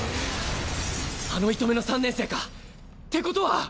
あの糸目の三年生か。ってことは。